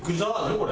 これ。